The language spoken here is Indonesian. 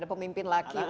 ada pemimpin laki untuk